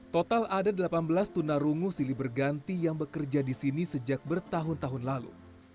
total ada delapan belas tunarungu silih berganti yang bekerja di sini sejak bertahun tahun lalu